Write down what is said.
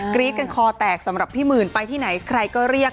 รี๊ดกันคอแตกสำหรับพี่หมื่นไปที่ไหนใครก็เรียก